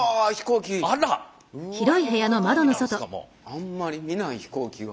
あんまり見ない飛行機が。